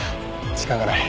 時間がない。